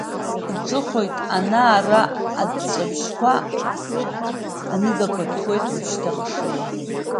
Иҿыхоит ана-ара аҵәҵәабжьқәа, аныгақәа ҭәуеит уажәшьҭа хшыла.